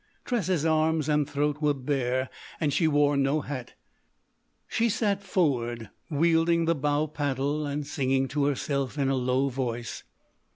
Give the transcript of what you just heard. Tressa's arms and throat were bare and she wore no hat. She sat forward, wielding the bow paddle and singing to herself in a low voice.